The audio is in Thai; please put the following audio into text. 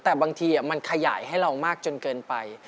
แต่บางทีมันขยายให้เรามากจนเกินไป